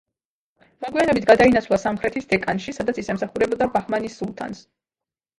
მოგვიანებით, გადაინაცვლა სამხრეთით დეკანში, სადაც ის ემსახურებოდა ბაჰმანის სულთანს.